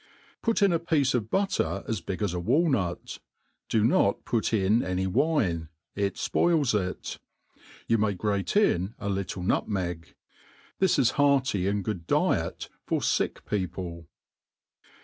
Put in a piece of butter as big as a walnut \ do not put m any wine, it fpoils it: you may grate 'm a little nutmeg. This is hearty and good diet for fick people.